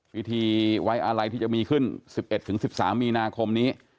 วิธีไว้อะไรที่จะมีขึ้น๑๑๑๑๓มีนาคมนี้